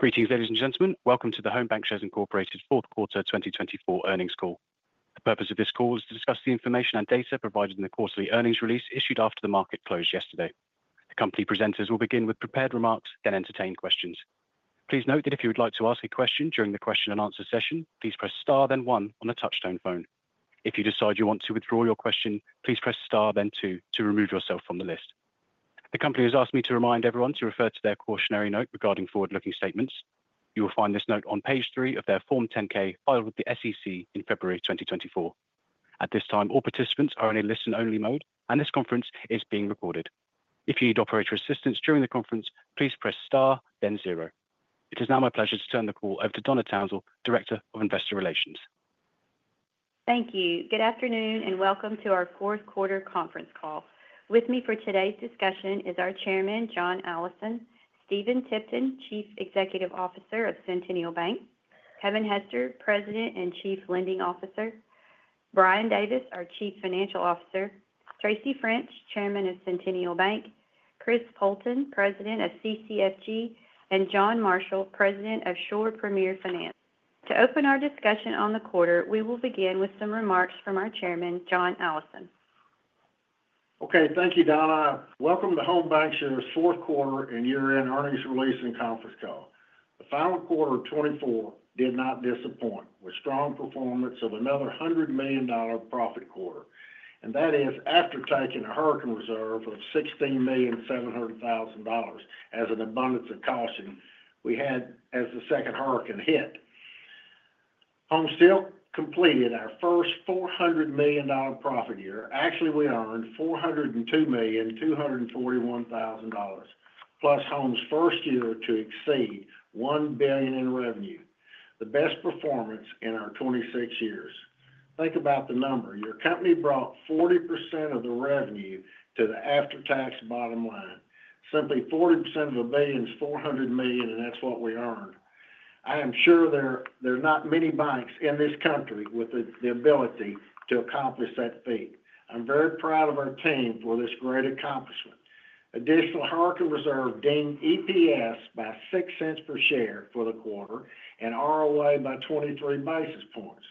Greetings, ladies and gentlemen. Welcome to the Home Bancshares, Inc.'s fourth quarter 2024 earnings call. The purpose of this call is to discuss the information and data provided in the quarterly earnings release issued after the market closed yesterday. The company presenters will begin with prepared remarks, then entertain questions. Please note that if you would like to ask a question during the question and answer session, please press star then one on the touch-tone phone. If you decide you want to withdraw your question, please press star then two to remove yourself from the list. The company has asked me to remind everyone to refer to their cautionary note regarding forward-looking statements. You will find this note on page three of their Form 10-K filed with the SEC in February 2024. At this time, all participants are in a listen-only mode, and this conference is being recorded. If you need operator assistance during the conference, please press star then zero. It is now my pleasure to turn the call over to Donna Townsell, Director of Investor Relations. Thank you. Good afternoon and welcome to our fourth quarter conference call. With me for today's discussion is our Chairman, John Allison, Stephen Tipton, Chief Executive Officer of Centennial Bank, Kevin Hester, President and Chief Lending Officer, Brian Davis, our Chief Financial Officer, Tracy French, Chairman of Centennial Bank, Chris Poulton, President of CCFG, and John Marshall, President of Shore Premier Finance. To open our discussion on the quarter, we will begin with some remarks from our Chairman, John Allison. Okay, thank you, Donna. Welcome to Home Bancshares' fourth quarter and year-end earnings release and conference call. The final quarter of 2024 did not disappoint with strong performance of another $100 million profit quarter. And that is after taking a hurricane reserve of $16,700,000 as an abundance of caution we had as the second hurricane hit. We completed our first $400 million profit year. Actually, we earned $402,241,000, plus Home's first year to exceed $1 billion in revenue. The best performance in our 26 years. Think about the number. Your company brought 40% of the revenue to the after-tax bottom line. Simply 40% of a billion is $400 million, and that's what we earned. I am sure there are not many banks in this country with the ability to accomplish that feat. I'm very proud of our team for this great accomplishment. Additional hurricane reserve dinged EPS by $0.06 per share for the quarter and ROA by 23 basis points.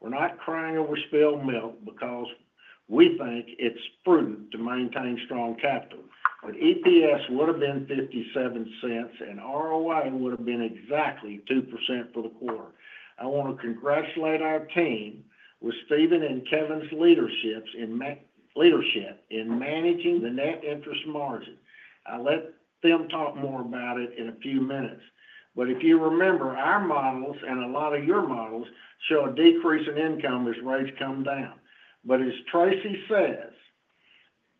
We're not crying over spilled milk because we think it's prudent to maintain strong capital, but EPS would have been $0.57, and ROA would have been exactly 2% for the quarter. I want to congratulate our team with Stephen and Kevin's leadership in managing the net interest margin. I'll let them talk more about it in a few minutes, but if you remember, our models and a lot of your models show a decrease in income as rates come down, but as Tracy says,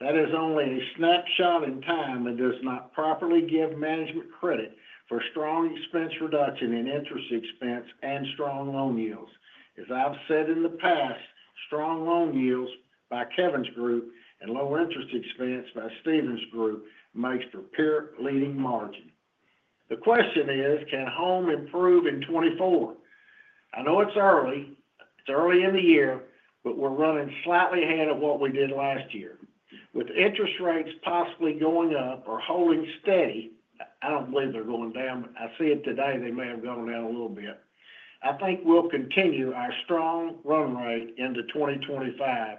that is only a snapshot in time and does not properly give management credit for strong expense reduction in interest expense and strong loan yields. As I've said in the past, strong loan yields by Kevin's group and low interest expense by Stephen's group makes the peer-leading margin. The question is, can Home improve in 2024? I know it's early. It's early in the year, but we're running slightly ahead of what we did last year. With interest rates possibly going up or holding steady, I don't believe they're going down, but I see it today they may have gone down a little bit, I think we'll continue our strong run rate into 2025.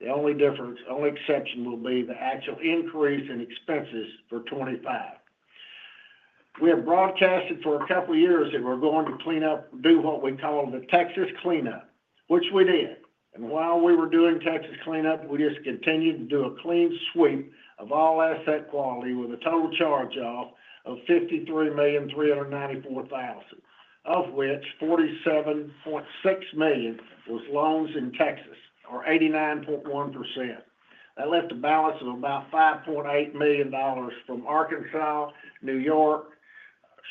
The only difference, the only exception will be the actual increase in expenses for 2025. We have broadcasted for a couple of years that we're going to clean up, do what we call the Texas cleanup, which we did. While we were doing Texas cleanup, we just continued to do a clean sweep of all asset quality with a total charge-off of $53,394,000, of which $47.6 million was loans in Texas or 89.1%. That left a balance of about $5.8 million from Arkansas, New York,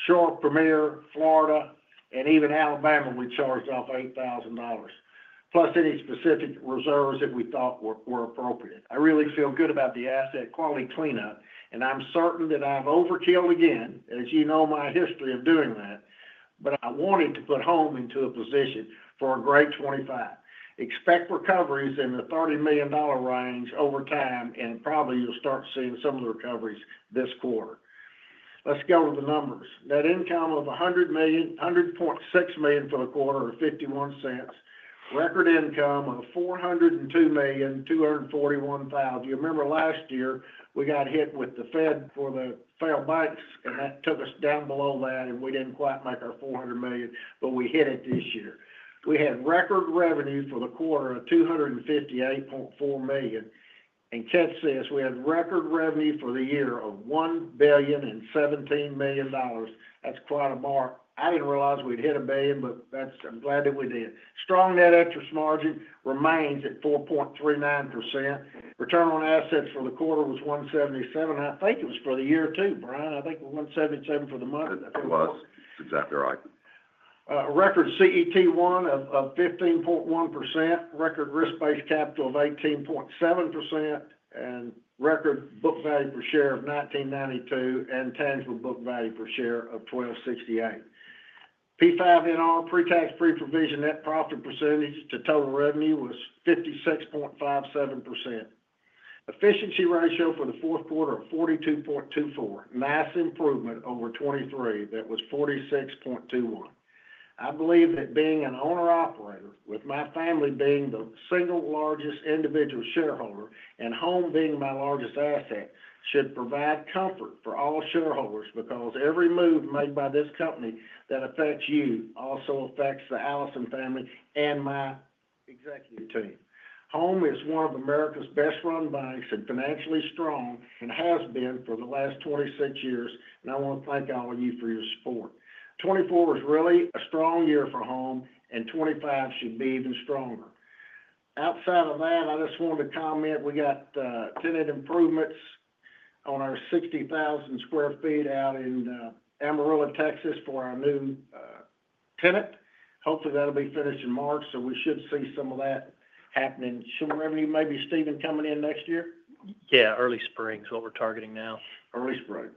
Shore Premier, Florida, and even Alabama. We charged off $8,000, plus any specific reserves that we thought were appropriate. I really feel good about the asset quality cleanup, and I'm certain that I've overkilled again, as you know my history of doing that, but I wanted to put Home into a position for a great 2025. Expect recoveries in the $30 million range over time, and probably you'll start seeing some of the recoveries this quarter. Let's go to the numbers. Net income of $100.6 million for the quarter or $0.51. Record income of $402,241,000. You remember last year we got hit with the Fed for the failed banks, and that took us down below that, and we didn't quite make our $400 million, but we hit it this year. We had record revenue for the quarter of $258.4 million. And Kevin says, "We had record revenue for the year of $1 billion and $17 million." That's quite a bar. I didn't realize we'd hit a billion, but I'm glad that we did. Strong net interest margin remains at 4.39%. Return on assets for the quarter was 1.77%. I think it was for the year too, Brian. I think it was 1.77% for the month. It was. Exactly right. Record CET1 of 15.1%, record risk-based capital of 18.7%, and record book value per share of $19.92 and tangible book value per share of $1,268. PPNR, pre-tax, pre-provision net profit percentage to total revenue was 56.57%. Efficiency ratio for the fourth quarter of 42.24%. Nice improvement over 2023. That was 46.21%. I believe that being an owner-operator, with my family being the single largest individual shareholder and Home being my largest asset, should provide comfort for all shareholders because every move made by this company that affects you also affects the Allison family and my executive team. Home is one of America's best-run banks and financially strong and has been for the last 26 years, and I want to thank all of you for your support; 2024 was really a strong year for Home, and 2025 should be even stronger. Outside of that, I just wanted to comment, we got tenant improvements on our 60,000 sq ft out in Amarillo, Texas, for our new tenant. Hopefully, that'll be finished in March, so we should see some of that happening. Some revenue, maybe Stephen coming in next year? Yeah, early spring is what we're targeting now. Early spring.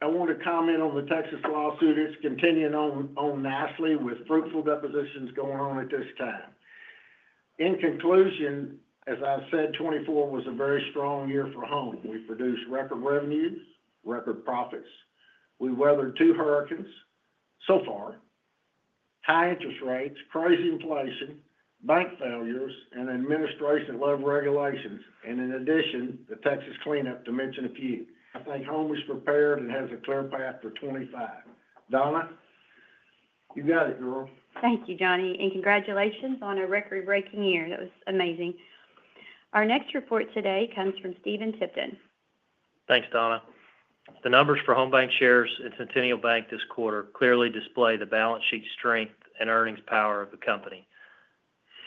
I wanted to comment on the Texas lawsuit. It's continuing on nicely with fruitful depositions going on at this time. In conclusion, as I said, 2024 was a very strong year for Home. We produced record revenues, record profits. We weathered two hurricanes so far: high interest rates, crazy inflation, bank failures, and administration of regulations. And in addition, the Texas cleanup to mention a few. I think Home is prepared and has a clear path for 2025. Donna, you got it, girl. Thank you, Johnny. Congratulations on a record-breaking year. That was amazing. Our next report today comes from Stephen Tipton. Thanks, Donna. The numbers for Home Bancshares and Centennial Bank this quarter clearly display the balance sheet strength and earnings power of the company.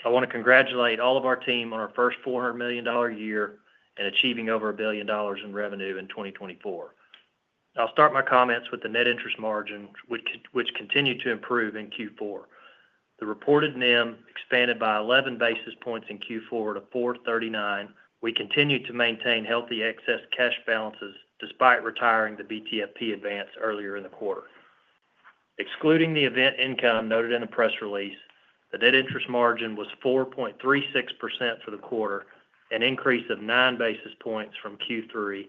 I want to congratulate all of our team on our first $400 million year and achieving over a billion dollars in revenue in 2024. I'll start my comments with the net interest margin, which continued to improve in Q4. The reported NIM expanded by 11 basis points in Q4 to 4.39%. We continued to maintain healthy excess cash balances despite retiring the BTFP advance earlier in the quarter. Excluding the event income noted in the press release, the net interest margin was 4.36% for the quarter, an increase of 9 basis points from Q3,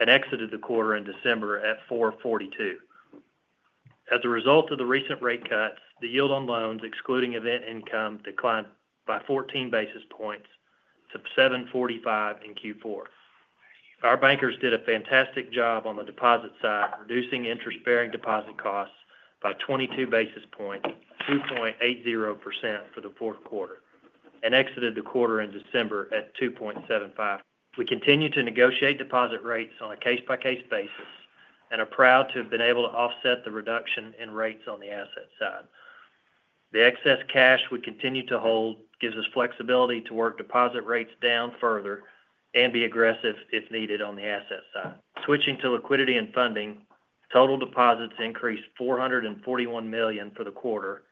and exited the quarter in December at 4.42%. As a result of the recent rate cuts, the yield on loans, excluding event income, declined by 14 basis points to 7.45% in Q4. Our bankers did a fantastic job on the deposit side, reducing interest-bearing deposit costs by 22 basis points, 2.80% for the fourth quarter, and exited the quarter in December at $2.75. We continue to negotiate deposit rates on a case-by-case basis and are proud to have been able to offset the reduction in rates on the asset side. The excess cash we continue to hold gives us flexibility to work deposit rates down further and be aggressive if needed on the asset side. Switching to liquidity and funding, total deposits increased $441 million for the quarter,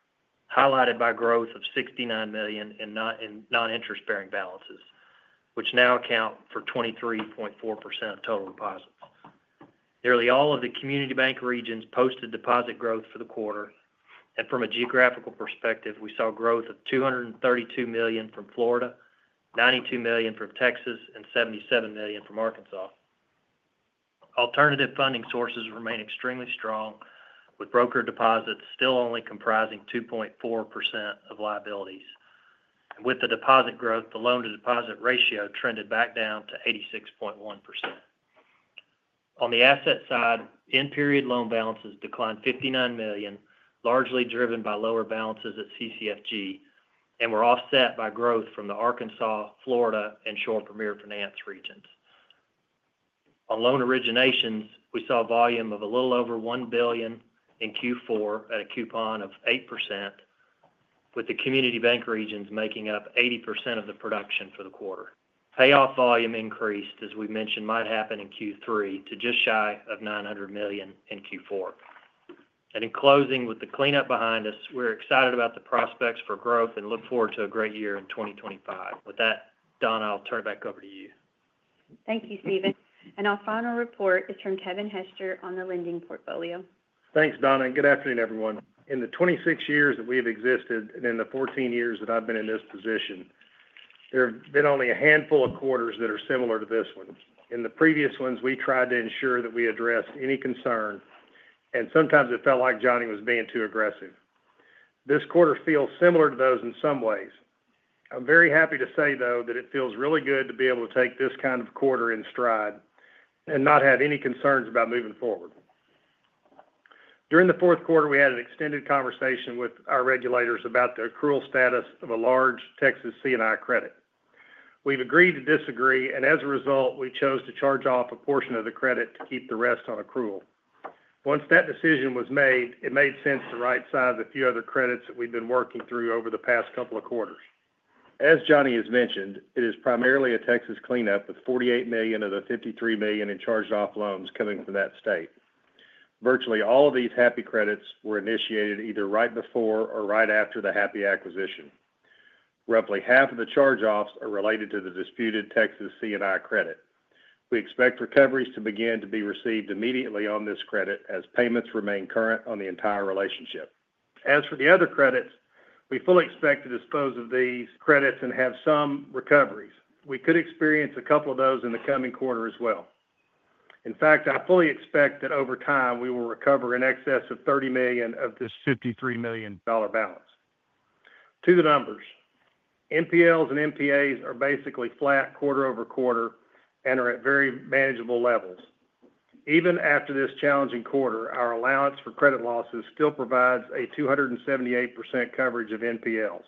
highlighted by growth of $69 million in non-interest-bearing balances, which now account for 23.4% of total deposits. Nearly all of the community bank regions posted deposit growth for the quarter. And from a geographical perspective, we saw growth of $232 million from Florida, $92 million from Texas, and $77 million from Arkansas. Alternative funding sources remain extremely strong, with broker deposits still only comprising 2.4% of liabilities. With the deposit growth, the loan-to-deposit ratio trended back down to 86.1%. On the asset side, end-period loan balances declined $59 million, largely driven by lower balances at CCFG, and were offset by growth from the Arkansas, Florida, and Shore Premier Finance regions. On loan originations, we saw volume of a little over $1 billion in Q4 at a coupon of 8%, with the community bank regions making up 80% of the production for the quarter. Payoff volume increased, as we mentioned might happen in Q3, to just shy of $900 million in Q4. And in closing, with the cleanup behind us, we're excited about the prospects for growth and look forward to a great year in 2025. With that, Donna, I'll turn it back over to you. Thank you, Stephen. And our final report is from Kevin Hester on the lending portfolio. Thanks, Donna. And good afternoon, everyone. In the 26 years that we have existed and in the 14 years that I've been in this position, there have been only a handful of quarters that are similar to this one. In the previous ones, we tried to ensure that we addressed any concern, and sometimes it felt like Johnny was being too aggressive. This quarter feels similar to those in some ways. I'm very happy to say, though, that it feels really good to be able to take this kind of quarter in stride and not have any concerns about moving forward. During the fourth quarter, we had an extended conversation with our regulators about the accrual status of a large Texas C&I credit. We've agreed to disagree, and as a result, we chose to charge off a portion of the credit to keep the rest on accrual. Once that decision was made, it made sense to right-size a few other credits that we've been working through over the past couple of quarters. As Johnny has mentioned, it is primarily a Texas cleanup with $48 million of the $53 million in charged-off loans coming from that state. Virtually all of these Happy credits were initiated either right before or right after the Happy acquisition. Roughly half of the charge-offs are related to the disputed Texas C&I credit. We expect recoveries to begin to be received immediately on this credit as payments remain current on the entire relationship. As for the other credits, we fully expect to dispose of these credits and have some recoveries. We could experience a couple of those in the coming quarter as well. In fact, I fully expect that over time we will recover an excess of $30 million of this $53 million balance. To the numbers, NPLs and NPAs are basically flat quarter over quarter and are at very manageable levels. Even after this challenging quarter, our allowance for credit losses still provides a 278% coverage of NPLs.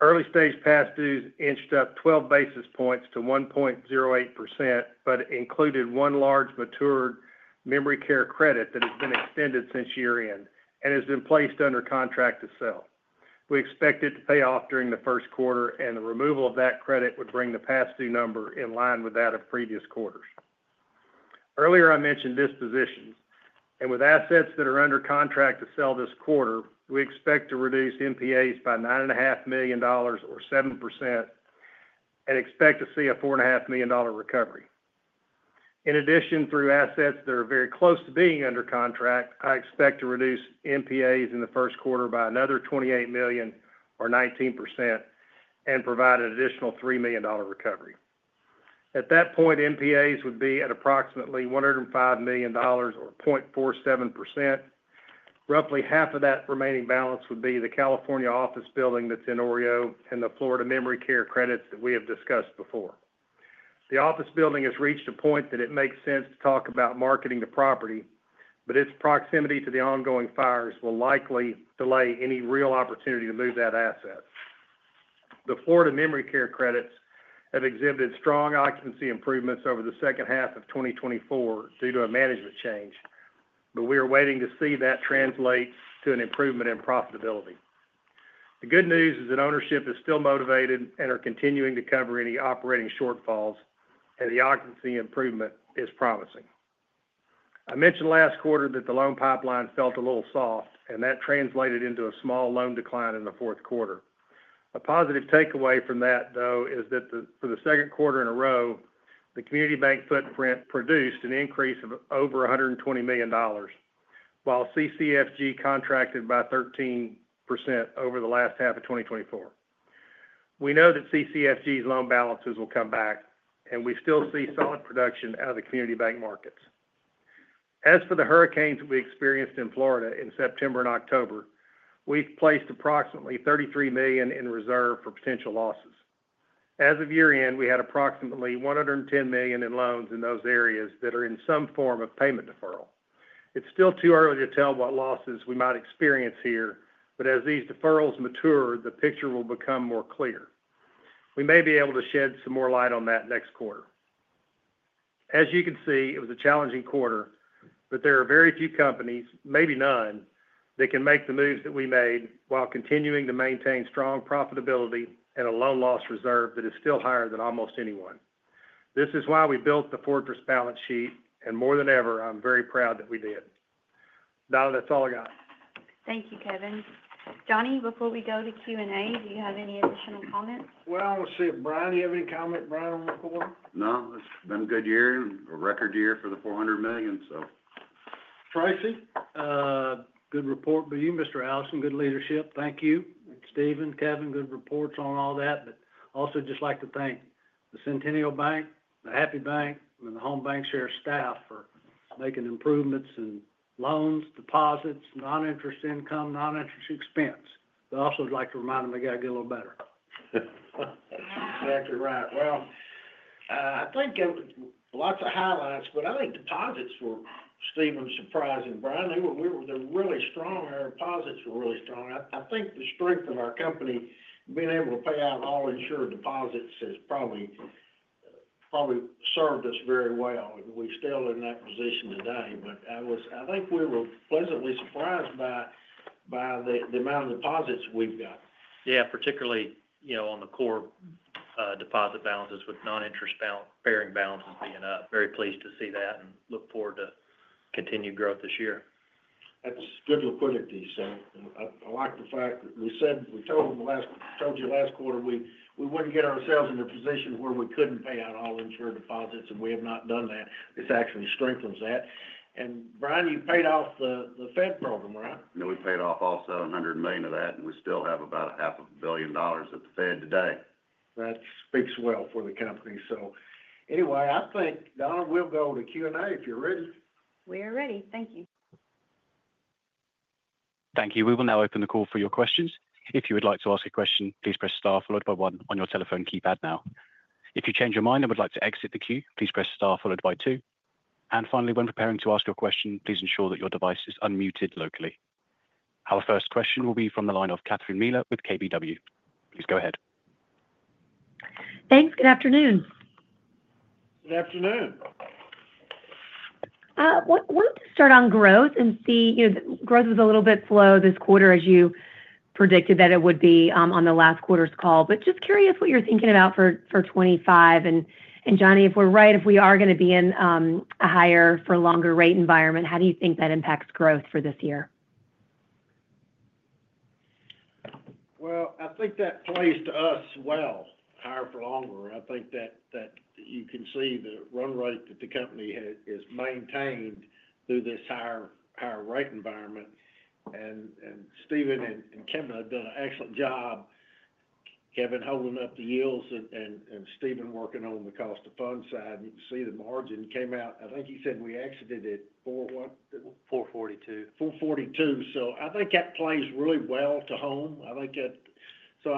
Early-stage past dues inched up 12 basis points to 1.08%, but included one large matured memory care credit that has been extended since year-end and has been placed under contract to sell. We expect it to pay off during the first quarter, and the removal of that credit would bring the past due number in line with that of previous quarters. Earlier, I mentioned dispositions, and with assets that are under contract to sell this quarter, we expect to reduce NPAs by $9.5 million or 7% and expect to see a $4.5 million recovery. In addition, through assets that are very close to being under contract, I expect to reduce NPAs in the first quarter by another $28 million or 19% and provide an additional $3 million recovery. At that point, NPAs would be at approximately $105 million or 0.47%. Roughly half of that remaining balance would be the California office building that's in OREO and the Florida memory care credits that we have discussed before. The office building has reached a point that it makes sense to talk about marketing the property, but its proximity to the ongoing fires will likely delay any real opportunity to move that asset. The Florida memory care credits have exhibited strong occupancy improvements over the second half of 2024 due to a management change, but we are waiting to see that translate to an improvement in profitability. The good news is that ownership is still motivated and are continuing to cover any operating shortfalls, and the occupancy improvement is promising. I mentioned last quarter that the loan pipeline felt a little soft, and that translated into a small loan decline in the fourth quarter. A positive takeaway from that, though, is that for the second quarter in a row, the community bank footprint produced an increase of over $120 million, while CCFG contracted by 13% over the last half of 2024. We know that CCFG's loan balances will come back, and we still see solid production out of the community bank markets. As for the hurricanes that we experienced in Florida in September and October, we've placed approximately $33 million in reserve for potential losses. As of year-end, we had approximately $110 million in loans in those areas that are in some form of payment deferral. It's still too early to tell what losses we might experience here, but as these deferrals mature, the picture will become more clear. We may be able to shed some more light on that next quarter. As you can see, it was a challenging quarter, but there are very few companies, maybe none, that can make the moves that we made while continuing to maintain strong profitability and a loan loss reserve that is still higher than almost anyone. This is why we built the fortress balance sheet, and more than ever, I'm very proud that we did. Donna, that's all I got. Thank you, Kevin. Johnny, before we go to Q&A, do you have any additional comments? I want to see if Brian, do you have any comment, Brian, on the quarter? No. It's been a good year, a record year for the $400 million, so. Tracy? Good report for you, Mr. Allison. Good leadership. Thank you. And Stephen, Kevin, good reports on all that. But also just like to thank the Centennial Bank, the Happy Bank, and the Home Bancshares staff for making improvements in loans, deposits, non-interest income, non-interest expense. But I also would like to remind them they got to get a little better. Exactly right. Well, I think lots of highlights, but I think deposits were, Stephen, surprising. Brian, they were really strong. Our deposits were really strong. I think the strength of our company, being able to pay out all insured deposits, has probably served us very well. We're still in that position today, but I think we were pleasantly surprised by the amount of deposits we've got. Yeah, particularly on the core deposit balances with non-interest-bearing balances being up. Very pleased to see that and look forward to continued growth this year. That's good liquidity, sir. I like the fact that we said we told you last quarter we wouldn't get ourselves in a position where we couldn't pay out all insured deposits, and we have not done that. This actually strengthens that. And Brian, you paid off the Fed program, right? Yeah, we paid off all $700 million of that, and we still have about $500 million at the Fed today. That speaks well for the company. So anyway, I think, Donna, we'll go to Q&A if you're ready. We are ready. Thank you. Thank you. We will now open the call for your questions. If you would like to ask a question, please press star followed by one on your telephone keypad now. If you change your mind and would like to exit the queue, please press star followed by two. And finally, when preparing to ask your question, please ensure that your device is unmuted locally. Our first question will be from the line of Catherine Mealor with KBW. Please go ahead. Thanks. Good afternoon. Good afternoon. I wanted to start on growth and see growth was a little bit slow this quarter, as you predicted that it would be on the last quarter's call. But just curious what you're thinking about for 2025. And Johnny, if we're right, if we are going to be in a higher-for-longer rate environment, how do you think that impacts growth for this year? I think that plays to us well, higher for longer. I think that you can see the run rate that the company has maintained through this higher-rate environment. Stephen and Kevin have done an excellent job, Kevin holding up the yields and Stephen working on the cost-of-fund side. You can see the margin came out. I think he said we exited at four what? Four fourty-two. So I think that plays really well to Home. I think that, so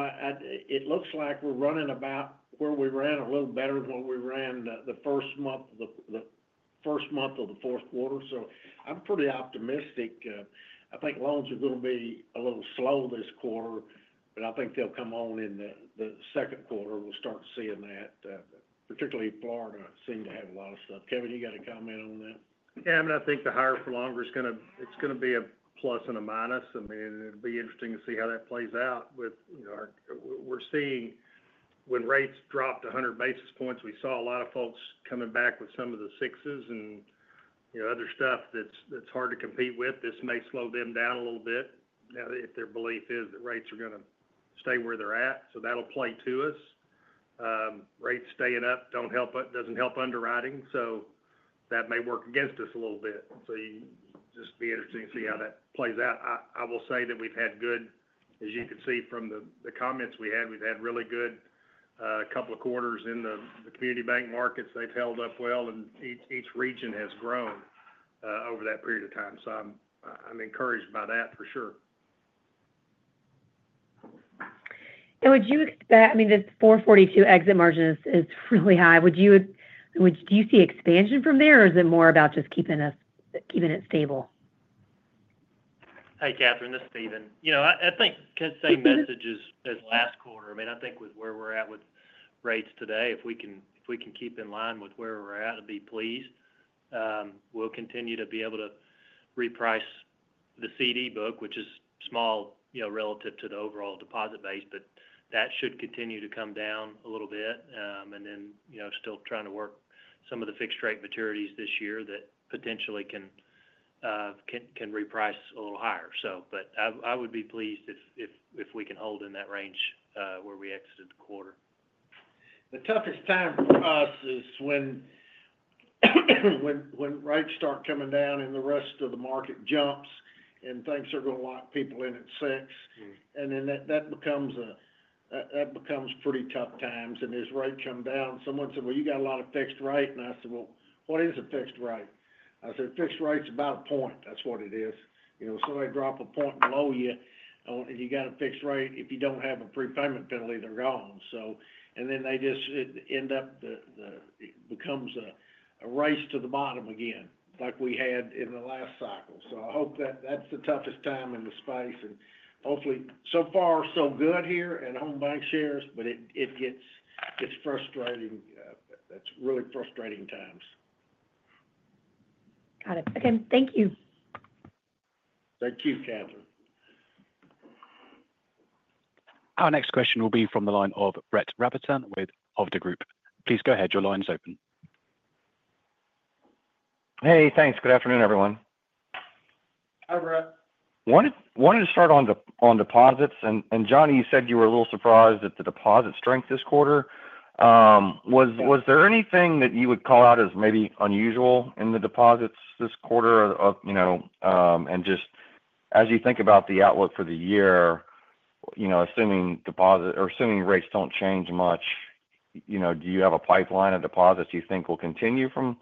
it looks like we're running about where we ran a little better than what we ran the first month of the fourth quarter. So I'm pretty optimistic. I think loans are going to be a little slow this quarter, but I think they'll come on in the second quarter. We'll start seeing that, particularly Florida seemed to have a lot of stuff. Kevin, you got a comment on that? Yeah, I mean, I think the higher for longer is going to be a plus and a minus. I mean, it'll be interesting to see how that plays out with what we're seeing. When rates dropped 100 basis points, we saw a lot of folks coming back with some of the sixes and other stuff that's hard to compete with. This may slow them down a little bit if their belief is that rates are going to stay where they're at. So that'll play to us. Rates staying up doesn't help underwriting, so that may work against us a little bit. So it'll just be interesting to see how that plays out. I will say that we've had good, as you can see from the comments we had, we've had really good couple of quarters in the community bank markets. They've held up well, and each region has grown over that period of time, so I'm encouraged by that for sure. Would you expect, I mean, the 4.42% exit margin is really high? Do you see expansion from there, or is it more about just keeping it stable? Hey, Catherine, this is Stephen. I think the message is the same as last quarter. I mean, I think with where we're at with rates today, if we can keep in line with where we're at and be pleased, we'll continue to be able to reprice the CD book, which is small relative to the overall deposit base, but that should continue to come down a little bit. And then still trying to work some of the fixed-rate maturities this year that potentially can reprice a little higher. But I would be pleased if we can hold in that range where we exited the quarter. The toughest time for us is when rates start coming down and the rest of the market jumps, and things are going to lock people in at six. And then that becomes pretty tough times. And as rates come down, someone said, "Well, you got a lot of fixed rate." And I said, "Well, what is a fixed rate?" I said, "Fixed rate's about a point. That's what it is. Somebody drops a point below you, and you got a fixed rate, if you don't have a prepayment penalty, they're gone." And then they just end up it becomes a race to the bottom again, like we had in the last cycle. So I hope that that's the toughest time in the space. And hopefully, so far, so good here at Home Bancshares, but it gets frustrating. That's really frustrating times. Got it. Okay. Thank you. Thank you, Catherine. Our next question will be from the line of Brett Rabatin with Hovde Group. Please go ahead. Your line is open. Hey, thanks. Good afternoon, everyone. Hi, Brett. I wanted to start on deposits, and Johnny, you said you were a little surprised at the deposit strength this quarter. Was there anything that you would call out as maybe unusual in the deposits this quarter, and just as you think about the outlook for the year, assuming rates don't change much, do you have a pipeline of deposits you think will continue from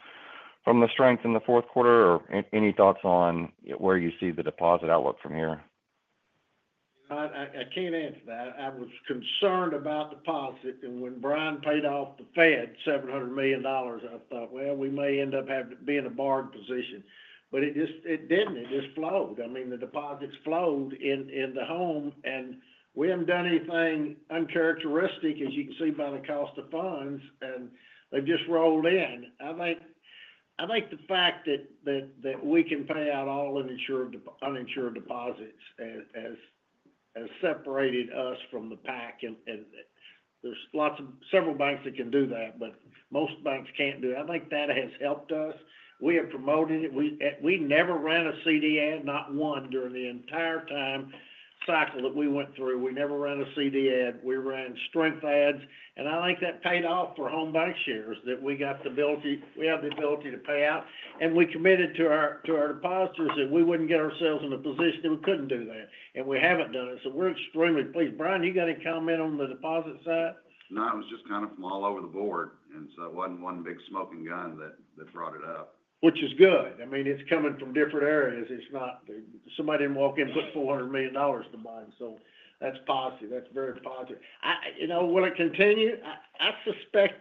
the strength in the fourth quarter, or any thoughts on where you see the deposit outlook from here? I can't answer that. I was concerned about deposits, and when Brian paid off the Fed $700 million, I thought, "Well, we may end up being a barred position," but it didn't. It just flowed. I mean, the deposits flowed into Home, and we haven't done anything uncharacteristic, as you can see by the cost of funds, and they've just rolled in. I think the fact that we can pay out all uninsured deposits has separated us from the pack, and there's several banks that can do that, but most banks can't do it. I think that has helped us. We have promoted it. We never ran a CD ad, not one, during the entire time cycle that we went through. We never ran a CD ad. We ran strength ads. I think that paid off for Home Bancshares that we have the ability to pay out. We committed to our depositors that we wouldn't get ourselves in a position that we couldn't do that. We haven't done it. We're extremely pleased. Brian, you got any comment on the deposit side? No, it was just kind of from all over the board, and so it wasn't one big smoking gun that brought it up. Which is good. I mean, it's coming from different areas. Somebody didn't walk in and put $400 million to buy. So that's positive. That's very positive. Will it continue? I suspect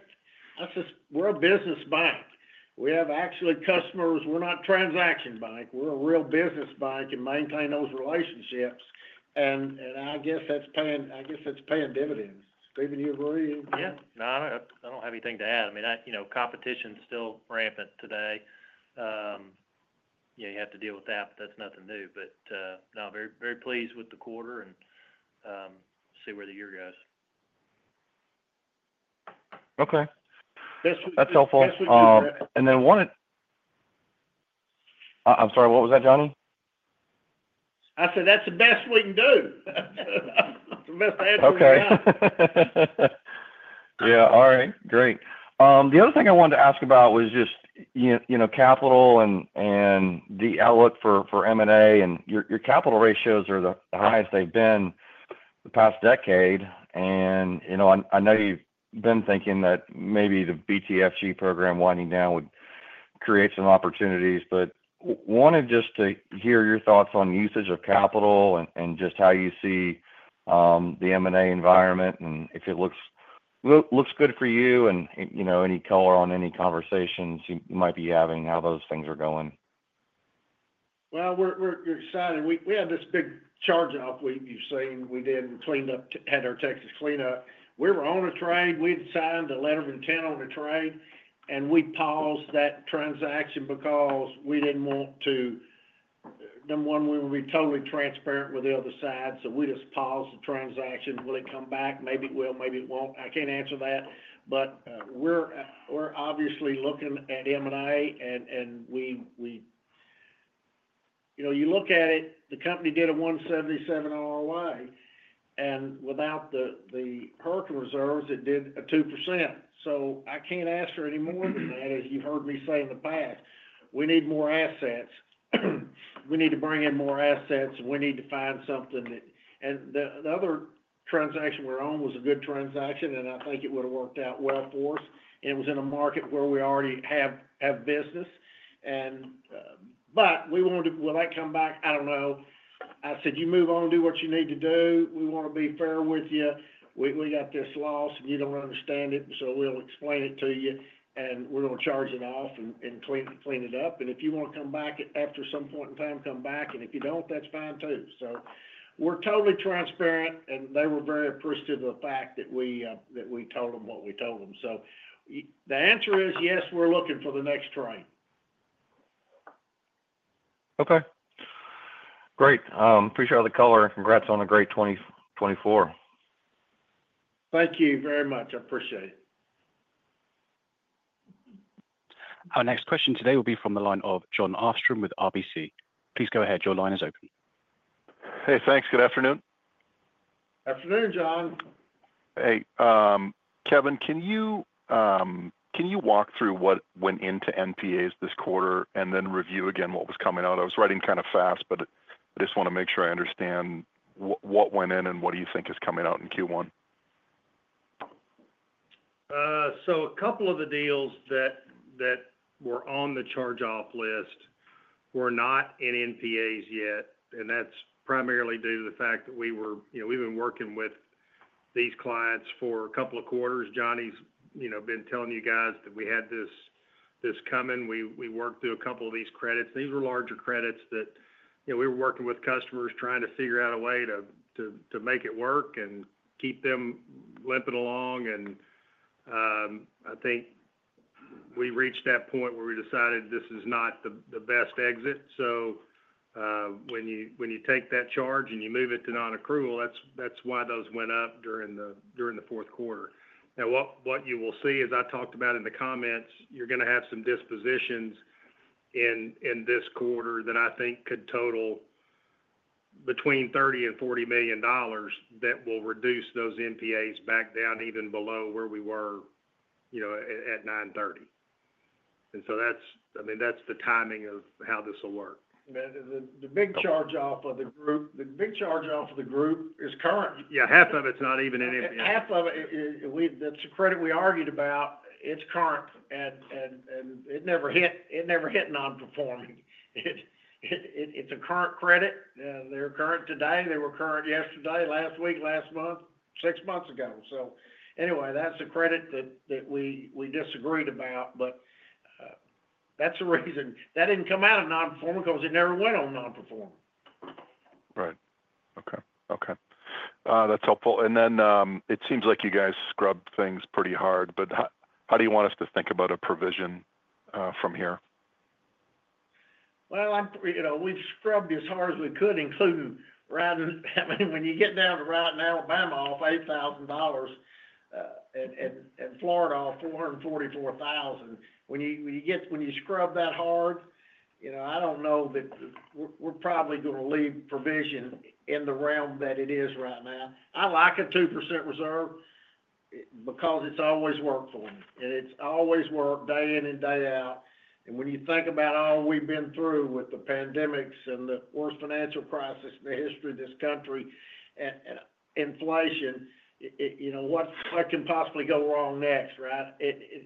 we're a business bank. We have actually customers. We're not a transaction bank. We're a real business bank and maintain those relationships. And I guess that's paying dividends. Stephen, you agree? Yeah. No, I don't have anything to add. I mean, competition's still rampant today. You have to deal with that, but that's nothing new. But no, very pleased with the quarter and see where the year goes. Okay. That's helpful. And then one, I'm sorry, what was that, Johnny? I said that's the best we can do. That's the best we got. Okay. Yeah. All right. Great. The other thing I wanted to ask about was just capital and the outlook for M&A. And your capital ratios are the highest they've been the past decade. And I know you've been thinking that maybe the BTFP program winding down would create some opportunities. But wanted just to hear your thoughts on usage of capital and just how you see the M&A environment and if it looks good for you and any color on any conversations you might be having, how those things are going. We're excited. We had this big charge-off week you've seen. We did clean up, had our taxes clean up. We were on a trade. We'd signed a Letter of Intent on a trade, and we paused that transaction because we didn't want to. Number one, we want to be totally transparent with the other side. So we just paused the transaction. Will it come back? Maybe it will. Maybe it won't. I can't answer that. But we're obviously looking at M&A, and you look at it, the company did a 177 ROI, and without the HERC reserves, it did a 2%. So I can't ask for any more than that, as you've heard me say in the past. We need more assets. We need to bring in more assets, and we need to find something that—and the other transaction we're on was a good transaction, and I think it would have worked out well for us. And it was in a market where we already have business. But will that come back? I don't know. I said, "You move on, do what you need to do. We want to be fair with you. We got this loss, and you don't understand it, so we'll explain it to you, and we're going to charge it off and clean it up. And if you want to come back after some point in time, come back. And if you don't, that's fine too." So we're totally transparent, and they were very appreciative of the fact that we told them what we told them. So the answer is yes, we're looking for the next trade. Okay. Great. Appreciate all the color. Congrats on a great 2024. Thank you very much. I appreciate it. Our next question today will be from the line of Jon Arfstrom with RBC. Please go ahead. Your line is open. Hey, thanks. Good afternoon. Afternoon, Jon. Hey. Kevin, can you walk through what went into NPAs this quarter and then review again what was coming out? I was writing kind of fast, but I just want to make sure I understand what went in and what do you think is coming out in Q1? A couple of the deals that were on the charge-off list were not in NPAs yet, and that's primarily due to the fact that we've been working with these clients for a couple of quarters. Johnny's been telling you guys that we had this coming. We worked through a couple of these credits. These were larger credits that we were working with customers trying to figure out a way to make it work and keep them limping along. And I think we reached that point where we decided this is not the best exit. So when you take that charge and you move it to non-accrual, that's why those went up during the fourth quarter. Now, what you will see, as I talked about in the comments, you're going to have some dispositions in this quarter that I think could total between $30 million and $40 million that will reduce those NPAs back down even below where we were at 930. And so I mean, that's the timing of how this will work. The big charge-off of the group is current. Yeah. Half of it's not even in NPA. Half of it, that's a credit we argued about. It's current, and it never hit non-performing. It's a current credit. They're current today. They were current yesterday, last week, last month, six months ago. So anyway, that's a credit that we disagreed about, but that's the reason that didn't come out of non-performing because it never went on non-performing. Right. Okay. Okay. That's helpful. And then it seems like you guys scrubbed things pretty hard, but how do you want us to think about a provision from here? We've scrubbed as hard as we could, including when you get down to writing Alabama off $8,000 and Florida off $444,000. When you scrub that hard, I don't know that we're probably going to leave provision in the realm that it is right now. I like a 2% reserve because it's always worked for me. And it's always worked day in and day out. And when you think about all we've been through with the pandemics and the worst financial crisis in the history of this country and inflation, what can possibly go wrong next, right?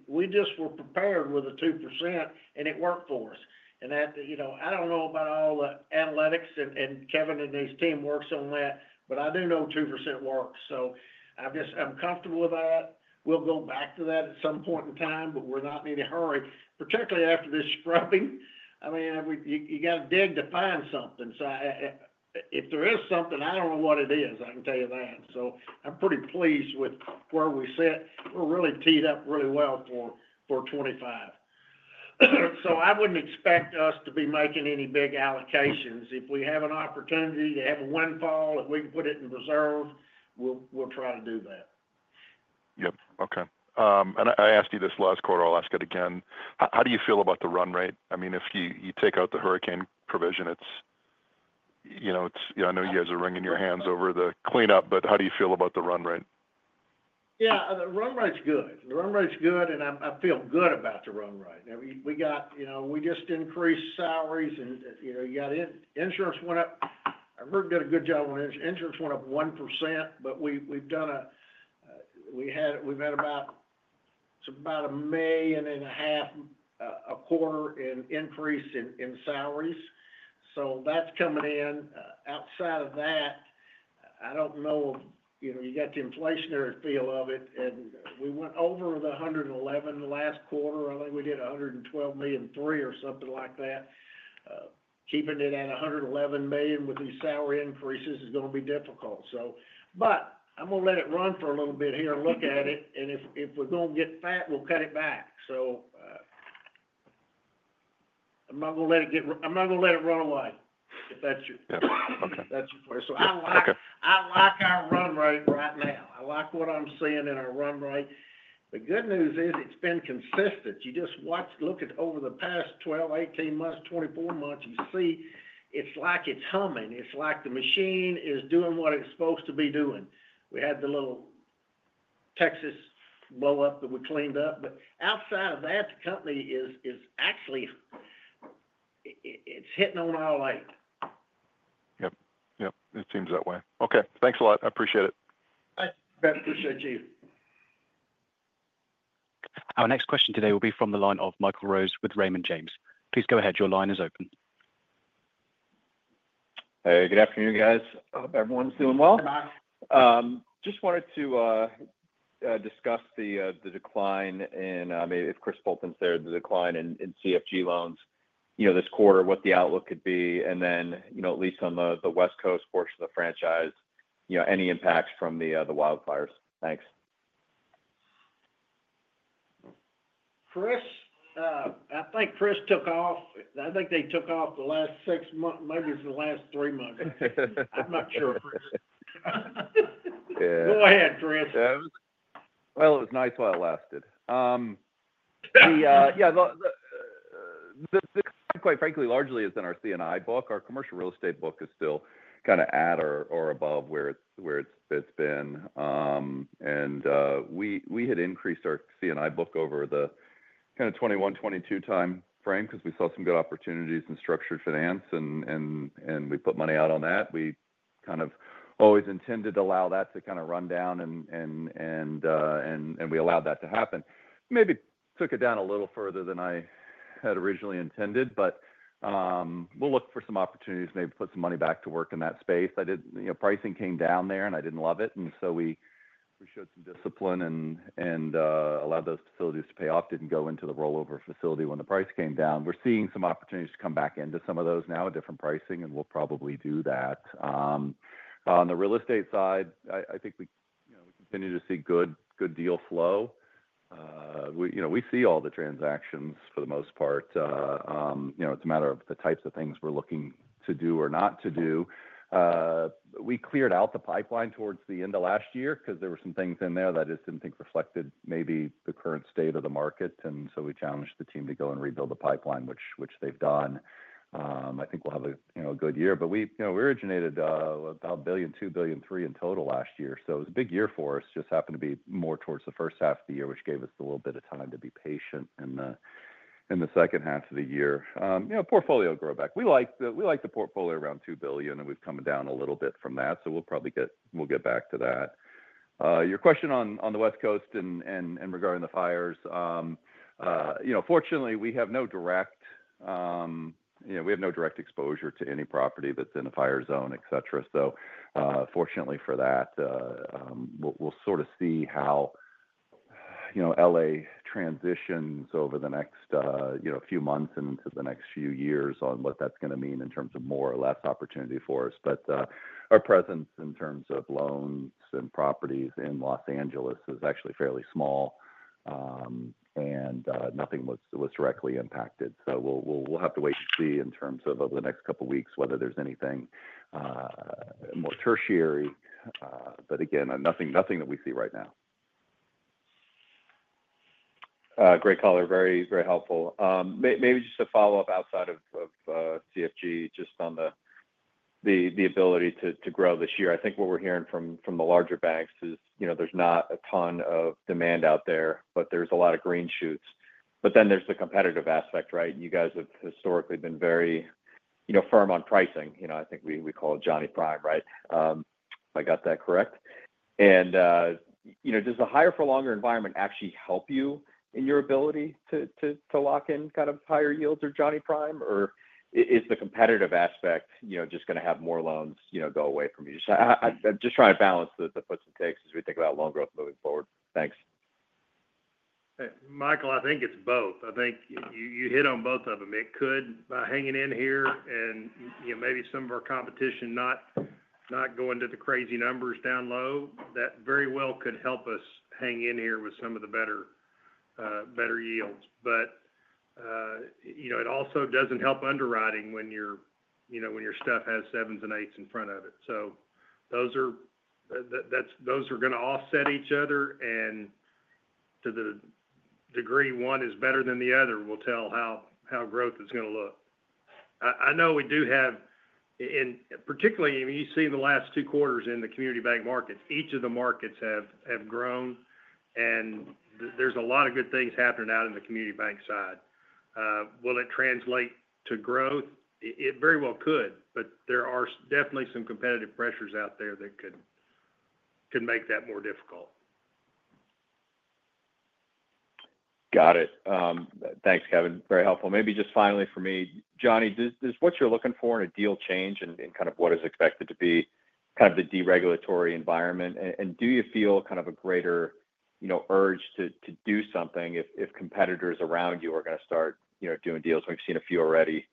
We just were prepared with a 2%, and it worked for us. And I don't know about all the analytics, and Kevin and his team works on that, but I do know 2% works. So I'm comfortable with that. We'll go back to that at some point in time, but we're not in any hurry, particularly after this scrubbing. I mean, you got to dig to find something. So if there is something, I don't know what it is. I can tell you that. So I'm pretty pleased with where we sit. We're really teed up really well for 2025. So I wouldn't expect us to be making any big allocations. If we have an opportunity to have a windfall that we can put it in reserve, we'll try to do that. Yep. Okay, and I asked you this last quarter. I'll ask it again. How do you feel about the run rate? I mean, if you take out the hurricane provision, it's. I know you guys are wringing your hands over the cleanup, but how do you feel about the run rate? Yeah. The run rate's good. The run rate's good, and I feel good about the run rate. We just increased salaries, and insurance went up. I heard we did a good job on insurance. Insurance went up 1%, but we've had about $1.5 million a quarter in increase in salaries. So that's coming in. Outside of that, I don't know if you got the inflationary feel of it, and we went over the $111 million last quarter. I think we did $112 million three or something like that. Keeping it at $111 million with these salary increases is going to be difficult. But I'm going to let it run for a little bit here and look at it, and if we're going to get fat, we'll cut it back. I'm not going to let it run away, if that's your question. I like our run rate right now. I like what I'm seeing in our run rate. The good news is it's been consistent. You just look at over the past 12, 18 months, 24 months, you see it's like it's humming. It's like the machine is doing what it's supposed to be doing. We had the little Texas blow-up that we cleaned up. But outside of that, the company is actually, it's hitting on our lane. Yep. Yep. It seems that way. Okay. Thanks a lot. I appreciate it. Thanks, Jon. Appreciate you. Our next question today will be from the line of Michael Rose with Raymond James. Please go ahead. Your line is open. Hey, good afternoon, guys. Hope everyone's doing well. Hi, Mike. Just wanted to discuss—I mean, if Chris Poulton's there, the decline in CCFG loans this quarter, what the outlook could be, and then at least on the West Coast portion of the franchise, any impacts from the wildfires. Thanks. Chris, I think Chris took off. I think they took off the last six months, maybe it's the last three months. I'm not sure, Chris. Go ahead, Chris. It was nice while it lasted. Yeah. The, quite frankly, largely is in our C&I book. Our commercial real estate book is still kind of at or above where it's been. And we had increased our C&I book over the kind of 2021, 2022 time frame because we saw some good opportunities in structured finance, and we put money out on that. We kind of always intended to allow that to kind of run down, and we allowed that to happen. Maybe took it down a little further than I had originally intended, but we'll look for some opportunities, maybe put some money back to work in that space. Pricing came down there, and I didn't love it. And so we showed some discipline and allowed those facilities to pay off. Didn't go into the rollover facility when the price came down. We're seeing some opportunities to come back into some of those now at different pricing, and we'll probably do that. On the real estate side, I think we continue to see good deal flow. We see all the transactions for the most part. It's a matter of the types of things we're looking to do or not to do. We cleared out the pipeline towards the end of last year because there were some things in there that I just didn't think reflected maybe the current state of the market. And so we challenged the team to go and rebuild the pipeline, which they've done. I think we'll have a good year. But we originated about $1 billion, $2 billion, $3 billion in total last year. So it was a big year for us. Just happened to be more towards the first half of the year, which gave us a little bit of time to be patient in the second half of the year. Portfolio will grow back. We like the portfolio around $2 billion, and we've come down a little bit from that. So we'll probably get back to that. Your question on the West Coast and regarding the fires, fortunately, we have no direct exposure to any property that's in a fire zone, etc. So fortunately for that, we'll sort of see how LA transitions over the next few months and into the next few years on what that's going to mean in terms of more or less opportunity for us. But our presence in terms of loans and properties in Los Angeles is actually fairly small, and nothing was directly impacted. So we'll have to wait and see in terms of the next couple of weeks whether there's anything more tertiary. But again, nothing that we see right now. Great color. Very, very helpful. Maybe just a follow-up outside of CCFG, just on the ability to grow this year. I think what we're hearing from the larger banks is there's not a ton of demand out there, but there's a lot of green shoots. But then there's the competitive aspect, right? You guys have historically been very firm on pricing. I think we call it Johnny Prime, right? If I got that correct. And does the higher-for-longer environment actually help you in your ability to lock in kind of higher yields or Johnny Prime, or is the competitive aspect just going to have more loans go away from you? I'm just trying to balance the puts and takes as we think about loan growth moving forward. Thanks. Michael, I think it's both. I think you hit on both of them. It could, by hanging in here and maybe some of our competition not going to the crazy numbers down low, that very well could help us hang in here with some of the better yields. But it also doesn't help underwriting when your stuff has sevens and eights in front of it. So those are going to offset each other. And to the degree one is better than the other will tell how growth is going to look. I know we do have, particularly you see in the last two quarters in the community bank markets, each of the markets have grown, and there's a lot of good things happening out in the community bank side. Will it translate to growth? It very well could, but there are definitely some competitive pressures out there that could make that more difficult. Got it. Thanks, Kevin. Very helpful. Maybe just finally for me, Johnny, is what you're looking for in a deal change and kind of what is expected to be kind of the deregulatory environment? And do you feel kind of a greater urge to do something if competitors around you are going to start doing deals? We've seen a few already.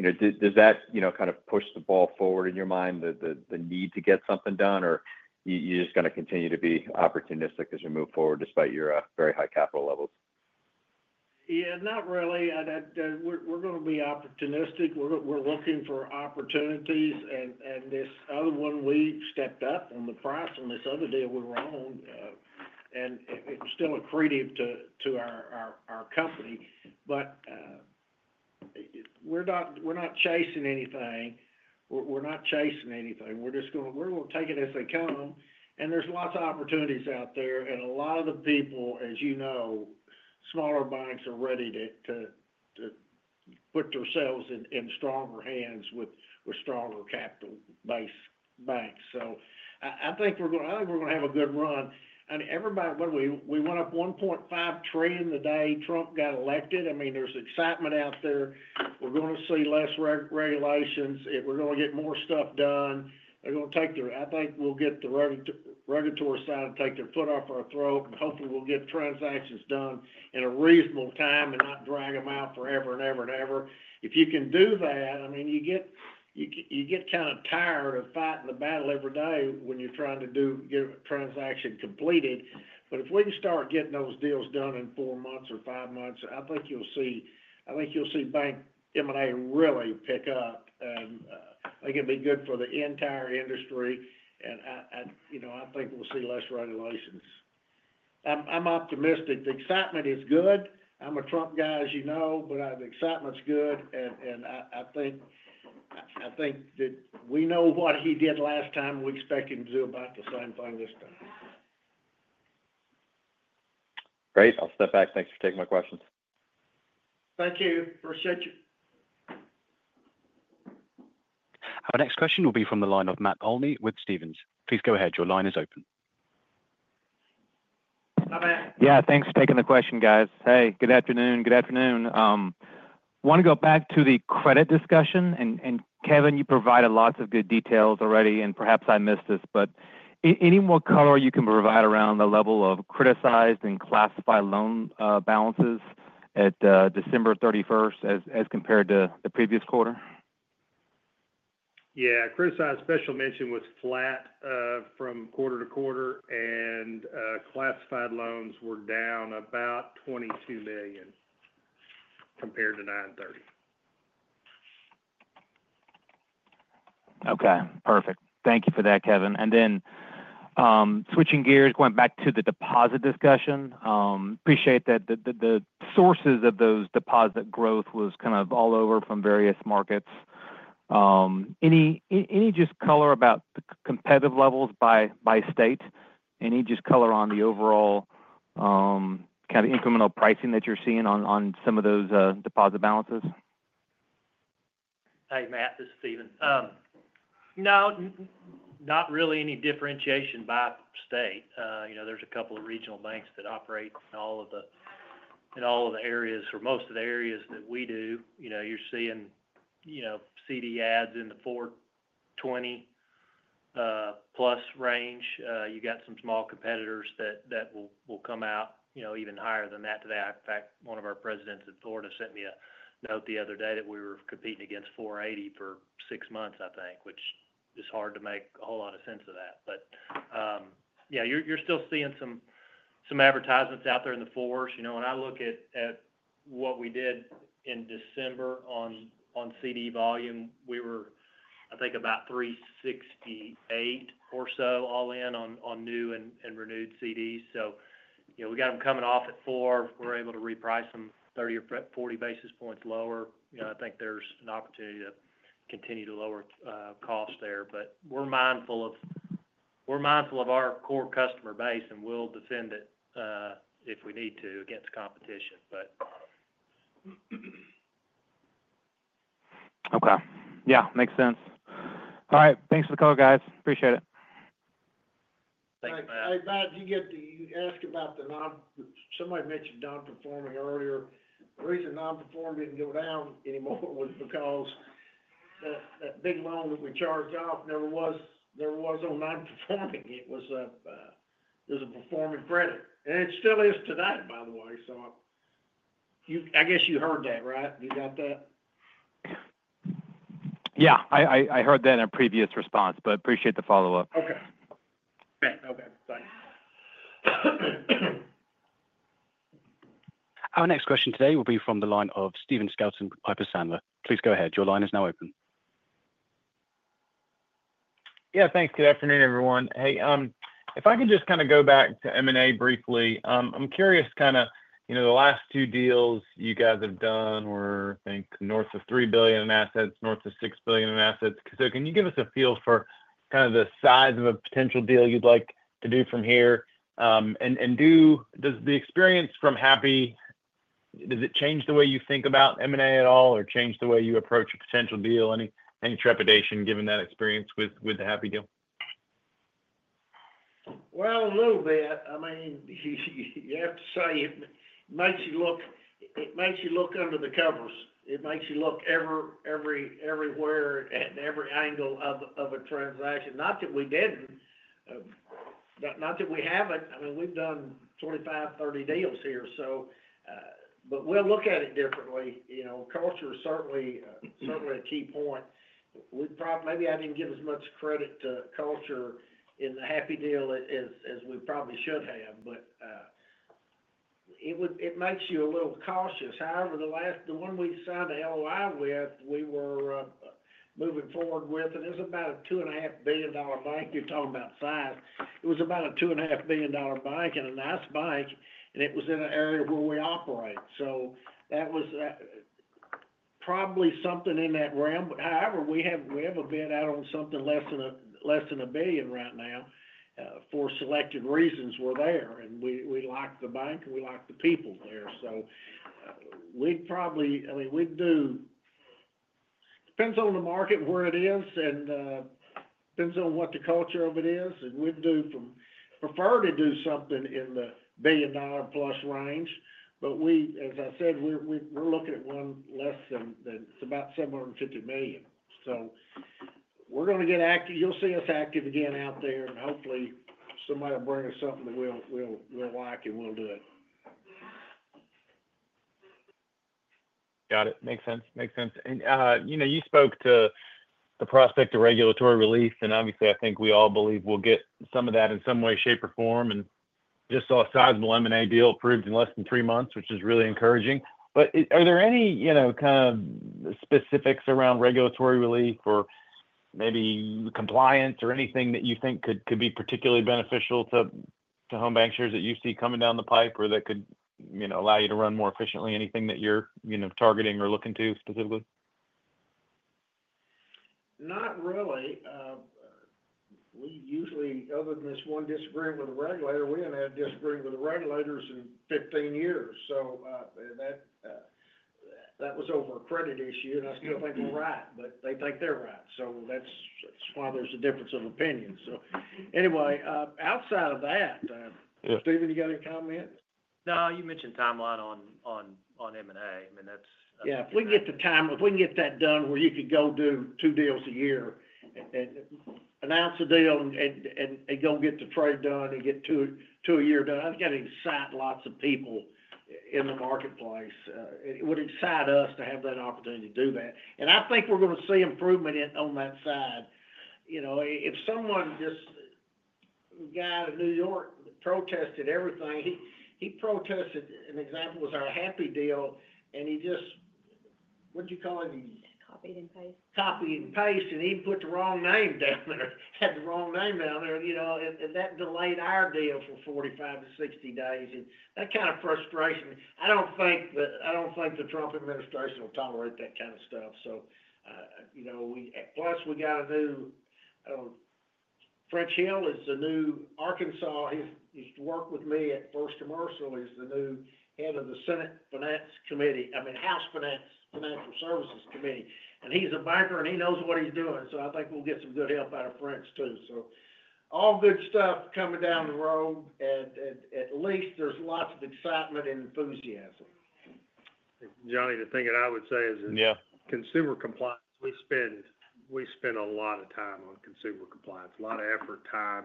Does that kind of push the ball forward in your mind, the need to get something done, or you're just going to continue to be opportunistic as you move forward despite your very high capital levels? Yeah, not really. We're going to be opportunistic. We're looking for opportunities. And this other one, we stepped up on the price on this other deal we were on, and it's still accretive to our company. But we're not chasing anything. We're not chasing anything. We're going to take it as they come. And there's lots of opportunities out there. And a lot of the people, as you know, smaller banks are ready to put themselves in stronger hands with stronger capital-based banks. So I think we're going to have a good run. And everybody, we went up $1.5 trillion the day Trump got elected. I mean, there's excitement out there. We're going to see less regulations. We're going to get more stuff done. They're going to take their. I think we'll get the regulatory side to take their foot off our throat. And hopefully, we'll get transactions done in a reasonable time and not drag them out forever and ever and ever. If you can do that, I mean, you get kind of tired of fighting the battle every day when you're trying to get a transaction completed. But if we can start getting those deals done in four months or five months, I think you'll see, I think you'll see bank M&A really pick up. And I think it'll be good for the entire industry. And I think we'll see less regulations. I'm optimistic. The excitement is good. I'm a Trump guy, as you know, but the excitement's good. And I think that we know what he did last time. We expect him to do about the same thing this time. Great. I'll step back. Thanks for taking my questions. Thank you. Appreciate you. Our next question will be from the line of Matt Olney with Stephens. Please go ahead. Your line is open. Hi, Matt. Yeah. Thanks for taking the question, guys. Hey, good afternoon. Good afternoon. I want to go back to the credit discussion. And Kevin, you provided lots of good details already, and perhaps I missed this, but any more color you can provide around the level of criticized and classified loan balances at December 31st as compared to the previous quarter? Yeah. Criticized/special mention was flat from quarter-to-quarter, and classified loans were down about $22 million compared to $930 million. Okay. Perfect. Thank you for that, Kevin. And then switching gears, going back to the deposit discussion, appreciate that the sources of those deposit growth was kind of all over from various markets. Any just color about the competitive levels by state? Any just color on the overall kind of incremental pricing that you're seeing on some of those deposit balances? Hey, Matt. This is Stephen. No, not really any differentiation by state. There's a couple of regional banks that operate in all of the areas or most of the areas that we do. You're seeing CD ads in the 420+ range. You've got some small competitors that will come out even higher than that today. In fact, one of our presidents at Florida sent me a note the other day that we were competing against 480 for six months, I think, which is hard to make a whole lot of sense of that. But yeah, you're still seeing some advertisements out there in the fours. When I look at what we did in December on CD volume, we were, I think, about 368 or so all in on new and renewed CDs. So we got them coming off at 4. We're able to reprice them 30 or 40 basis points lower. I think there's an opportunity to continue to lower costs there. But we're mindful of our core customer base, and we'll defend it if we need to against competition, but. Okay. Yeah. Makes sense. All right. Thanks for the color, guys. Appreciate it. Thanks, Matt. Hey, Matt, you asked about the non-performing. Somebody mentioned non-performing earlier. The reason non-performing didn't go down anymore was because that big loan that we charged off never was on non-performing. It was a performing credit, and it still is today, by the way. So I guess you heard that, right? You got that? Yeah. I heard that in a previous response, but appreciate the follow-up. Okay. Okay. Thanks. Our next question today will be from the line of Stephen Scouten of Piper Sandler. Please go ahead. Your line is now open. Yeah. Thanks. Good afternoon, everyone. Hey, if I could just kind of go back to M&A briefly. I'm curious kind of the last two deals you guys have done were, I think, north of $3 billion in assets, north of $6 billion in assets. So can you give us a feel for kind of the size of a potential deal you'd like to do from here? And does the experience from Happy, does it change the way you think about M&A at all or change the way you approach a potential deal? Any trepidation given that experience with the Happy deal? A little bit. I mean, you have to say it makes you look under the covers. It makes you look everywhere at every angle of a transaction. Not that we didn't. Not that we haven't. I mean, we've done 25, 30 deals here. But we'll look at it differently. Culture is certainly a key point. Maybe I didn't give as much credit to culture in the Happy deal as we probably should have, but it makes you a little cautious. However, the one we signed an LOI with, we were moving forward with, and it's about a $2.5 billion bank. You're talking about size. It was about a $2.5 billion bank and a nice bank, and it was in an area where we operate. So that was probably something in that realm. However, we have a bid out on something less than $1 billion right now for selected reasons we're there. We like the bank, and we like the people there. We'd probably—I mean, we'd do—depends on the market where it is and depends on what the culture of it is. We'd prefer to do something in the $1 billion-plus range. We're looking at one less than—it's about $750 million. We're going to get active. You'll see us active again out there. Hopefully, somebody will bring us something that we'll like, and we'll do it. Got it. Makes sense. Makes sense. And you spoke to the prospect of regulatory relief. And obviously, I think we all believe we'll get some of that in some way, shape, or form. And just saw a sizable M&A deal approved in less than three months, which is really encouraging. But are there any kind of specifics around regulatory relief or maybe compliance or anything that you think could be particularly beneficial to Home BancShares that you see coming down the pipe or that could allow you to run more efficiently? Anything that you're targeting or looking to specifically? Not really. Other than this one disagreement with the regulator, we haven't had a disagreement with the regulators in 15 years. So that was over a credit issue. And I still think we're right, but they think they're right. So that's why there's a difference of opinion. So anyway, outside of that, Stephen, you got any comment? No, you mentioned timeline on M&A. I mean, that's— Yeah. If we can get the time—if we can get that done where you could go do two deals a year and announce a deal and go get the trade done and get two a year done, I think that'd excite lots of people in the marketplace. It would excite us to have that opportunity to do that. And I think we're going to see improvement on that side. If someone just—a guy in New York protested everything. He protested an example was our Happy deal, and he just—what'd you call it? Copied and pasted. Copied and pasted. And he put the wrong name down there, had the wrong name down there. And that delayed our deal for 45-60 days. And that kind of frustration. I don't think the Trump administration will tolerate that kind of stuff. So plus, we got a new French Hill is the new Arkansas. He used to work with me at First Commercial. He's the new head of the Senate Finance Committee, I mean, House Financial Services Committee. And he's a banker, and he knows what he's doing. So I think we'll get some good help out of French Hill too. So all good stuff coming down the road. And at least there's lots of excitement and enthusiasm. Johnny, the thing that I would say is consumer compliance. We spend a lot of time on consumer compliance, a lot of effort, time.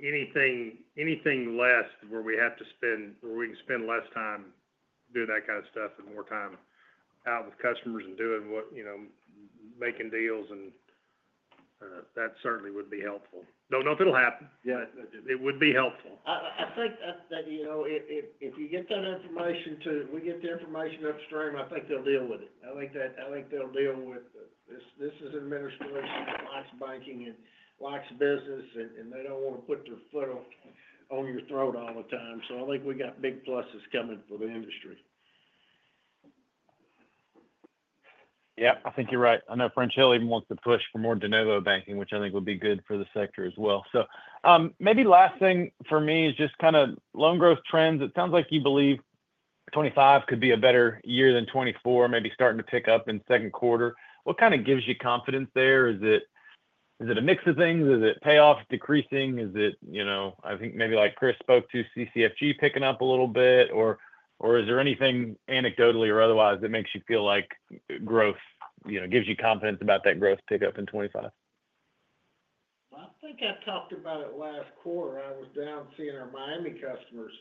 Anything less where we have to spend, where we can spend less time doing that kind of stuff and more time out with customers and doing what, making deals, and that certainly would be helpful. Don't know if it'll happen. It would be helpful. I think that we get the information upstream. I think they'll deal with it. This is an administration that likes banking and likes business, and they don't want to put their foot on your throat all the time. So I think we got big pluses coming for the industry. Yeah. I think you're right. I know French Hill even wants to push for more de novo banking, which I think would be good for the sector as well. So maybe last thing for me is just kind of loan growth trends. It sounds like you believe 2025 could be a better year than 2024, maybe starting to pick up in second quarter. What kind of gives you confidence there? Is it a mix of things? Is it payoff decreasing? Is it, I think, maybe like Chris spoke to, CCFG picking up a little bit? Or is there anything anecdotally or otherwise that makes you feel like growth gives you confidence about that growth pickup in 2025? I think I talked about it last quarter. I was down seeing our Miami customers,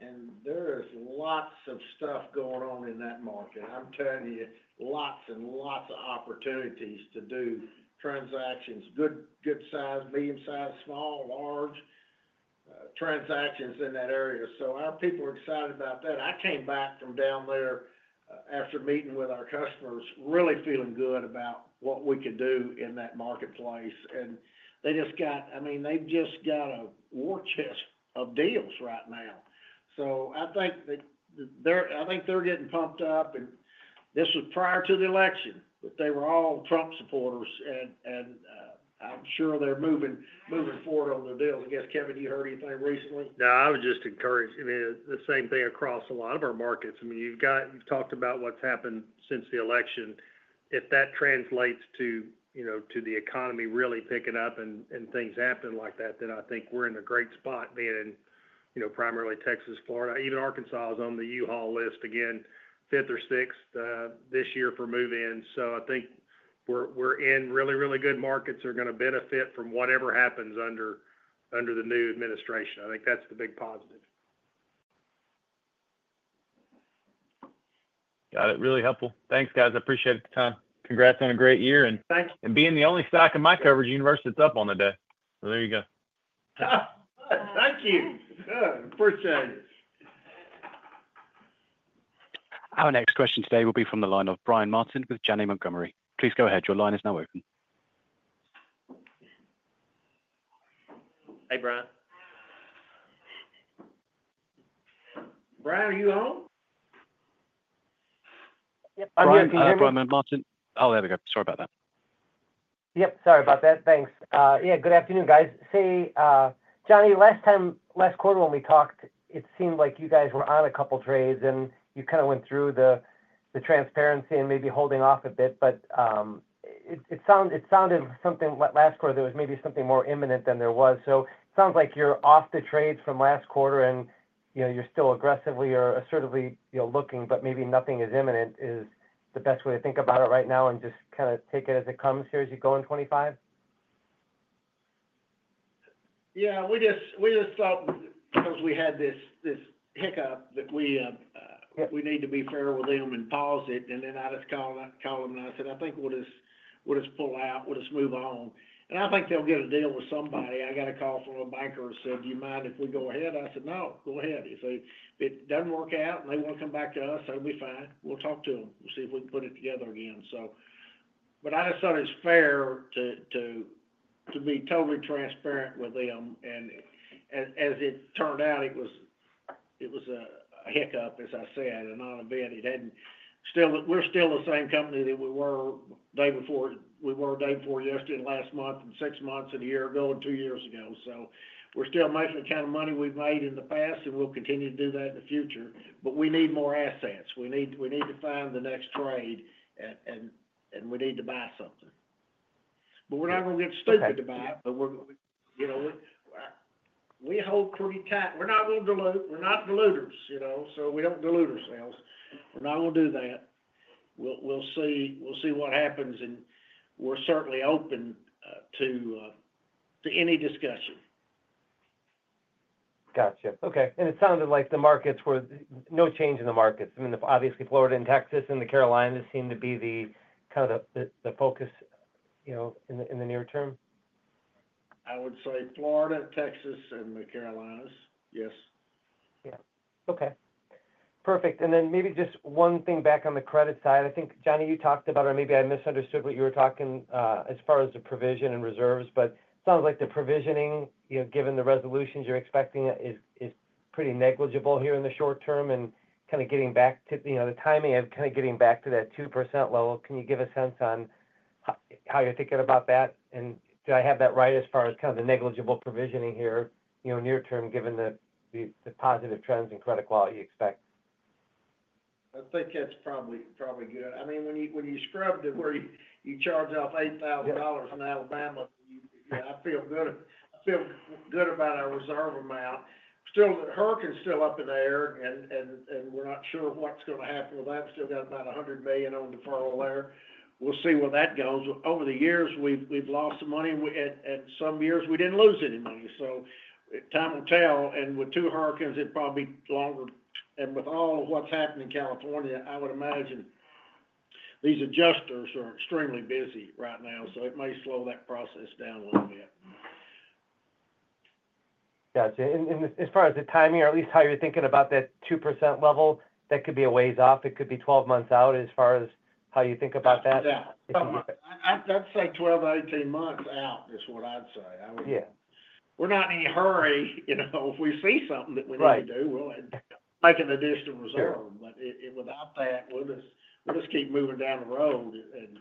and there is lots of stuff going on in that market. I'm telling you, lots and lots of opportunities to do transactions, good size, medium size, small, large transactions in that area. Our people are excited about that. I came back from down there after meeting with our customers, really feeling good about what we could do in that marketplace. They just got, I mean, they've just got a war chest of deals right now. I think they're getting pumped up. This was prior to the election, but they were all Trump supporters. I'm sure they're moving forward on their deals. I guess, Kevin, you heard anything recently? No, I was just encouraged. I mean, the same thing across a lot of our markets. I mean, you've talked about what's happened since the election. If that translates to the economy really picking up and things happening like that, then I think we're in a great spot, being in primarily Texas, Florida. Even Arkansas is on the U-Haul list again, fifth or sixth this year for move-ins. So I think we're in really, really good markets that are going to benefit from whatever happens under the new administration. I think that's the big positive. Got it. Really helpful. Thanks, guys. I appreciate it. Congrats on a great year, and being the only stock in my coverage universe is up on the day. So there you go. Thank you. Appreciate it. Our next question today will be from the line of Brian Martin with Janney Montgomery. Please go ahead. Your line is now open. Hey, Brian. Brian, are you on? Yep. Martin? Oh, there we go. Sorry about that. Yep. Sorry about that. Thanks. Yeah. Good afternoon, guys. See, Johnny, last quarter when we talked, it seemed like you guys were on a couple of trades, and you kind of went through the transparency and maybe holding off a bit. But it sounded like something last quarter, there was maybe something more imminent than there was. So it sounds like you're off the trades from last quarter, and you're still aggressively or assertively looking, but maybe nothing is imminent is the best way to think about it right now and just kind of take it as it comes here as you go in 2025? Yeah. We just thought because we had this hiccup that we need to be fair with them and pause it. And then I just called them and I said, "I think we'll just pull out. We'll just move on." And I think they'll get a deal with somebody. I got a call from a banker who said, "Do you mind if we go ahead?" I said, "No, go ahead." He said, "If it doesn't work out and they want to come back to us, that'll be fine. We'll talk to them. We'll see if we can put it together again." But I just thought it was fair to be totally transparent with them. And as it turned out, it was a hiccup, as I said. And on a bid, it hadn't. We're still the same company that we were the day before yesterday and last month and six months and a year ago and two years ago. So we're still making the kind of money we've made in the past, and we'll continue to do that in the future. But we need more assets. We need to find the next trade, and we need to buy something. But we're not going to get stupid to buy it. But we hold pretty tight. We're not going to dilute. We're not diluters. So we don't dilute ourselves. We're not going to do that. We'll see what happens. And we're certainly open to any discussion. Gotcha. Okay. And it sounded like the markets were no change in the markets. I mean, obviously, Florida and Texas and the Carolinas seem to be kind of the focus in the near term. I would say Florida, Texas, and the Carolinas. Yes. Yeah. Okay. Perfect. And then maybe just one thing back on the credit side. I think, Johnny, you talked about it, or maybe I misunderstood what you were talking as far as the provision and reserves. But it sounds like the provisioning, given the resolutions you're expecting, is pretty negligible here in the short term. And kind of getting back to the timing of kind of getting back to that 2% level, can you give a sense on how you're thinking about that? And do I have that right as far as kind of the negligible provisioning here near term, given the positive trends and credit quality you expect? I think that's probably good. I mean, when you scrub to where you charge off $8,000 in Alabama, I feel good about our reserve amount. Still, HERC's still up in the air, and we're not sure what's going to happen with that. We've still got about $100 million on deferral there. We'll see where that goes. Over the years, we've lost some money, and some years, we didn't lose any money. So time will tell. And with two hurricanes, it'd probably be longer. And with all of what's happened in California, I would imagine these adjusters are extremely busy right now. So it may slow that process down a little bit. Gotcha. And as far as the timing, or at least how you're thinking about that 2% level, that could be a ways off. It could be 12 months out as far as how you think about that. I'd say 12 to 18 months out is what I'd say. Yeah. We're not in any hurry. If we see something that we need to do, we'll make an additional reserve. But without that, we'll just keep moving down the road. And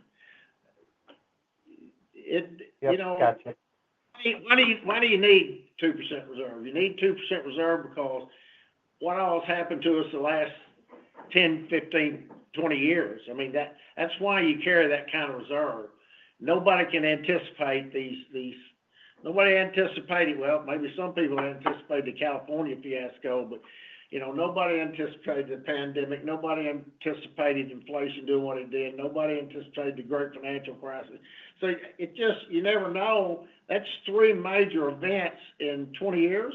why do you need 2% reserve? You need 2% reserve because what all's happened to us the last 10, 15, 20 years? I mean, that's why you carry that kind of reserve. Nobody can anticipate these. Nobody anticipated. Well, maybe some people anticipated the California fiasco, but nobody anticipated the pandemic. Nobody anticipated inflation doing what it did. Nobody anticipated the great financial crisis. So you never know. That's three major events in 20 years.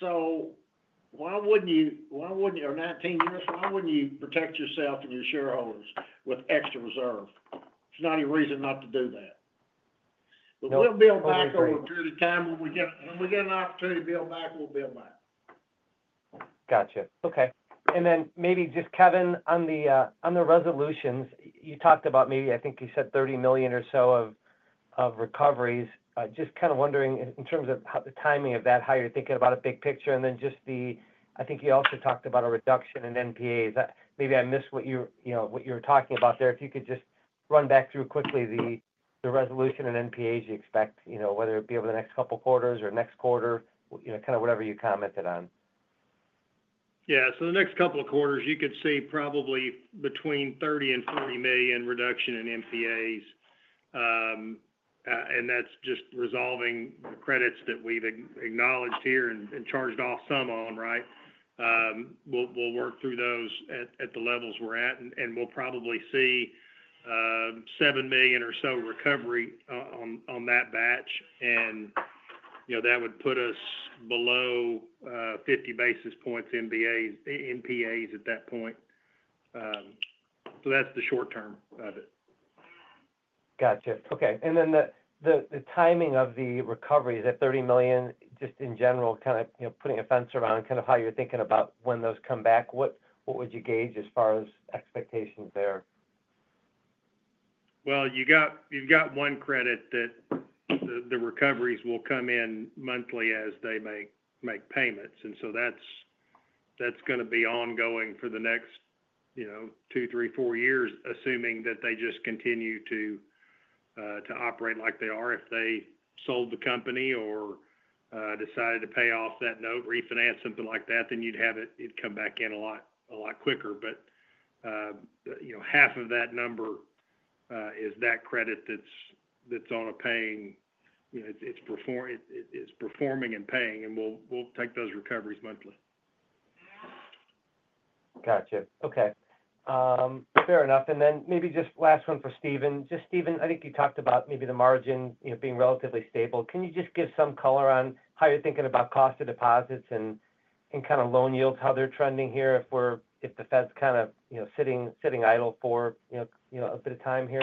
So why wouldn't you, or 19 years, why wouldn't you protect yourself and your shareholders with extra reserve? There's not any reason not to do that. But we'll build back over a period of time. When we get an opportunity to build back, we'll build back. Gotcha. Okay. And then maybe just, Kevin, on the resolutions, you talked about maybe—I think you said $30 million or so of recoveries. Just kind of wondering in terms of the timing of that, how you're thinking about a big picture. And then just the—I think you also talked about a reduction in NPAs. Maybe I missed what you were talking about there. If you could just run back through quickly the resolution and NPAs you expect, whether it'd be over the next couple of quarters or next quarter, kind of whatever you commented on. Yeah. So the next couple of quarters, you could see probably between $30 million and $40 million reduction in NPAs. And that's just resolving the credits that we've acknowledged here and charged off some on, right? We'll work through those at the levels we're at. And we'll probably see $7 million or so recovery on that batch. And that would put us below 50 basis points NPAs at that point. So that's the short term of it. Gotcha. Okay. And then the timing of the recovery, is that 30 million just in general, kind of putting a fence around kind of how you're thinking about when those come back? What would you gauge as far as expectations there? You've got one credit that the recoveries will come in monthly as they make payments. And so that's going to be ongoing for the next two, three, four years, assuming that they just continue to operate like they are. If they sold the company or decided to pay off that note, refinance, something like that, then you'd have it come back in a lot quicker. But half of that number is that credit that's on a paying, it's performing and paying. And we'll take those recoveries monthly. Gotcha. Okay. Fair enough. And then maybe just last one for Stephen. Just Stephen, I think you talked about maybe the margin being relatively stable. Can you just give some color on how you're thinking about cost of deposits and kind of loan yields, how they're trending here if the Fed's kind of sitting idle for a bit of time here?